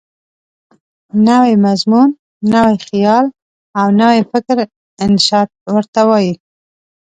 نوی مضمون، نوی خیال او نوی فکر انشأ ورته وايي.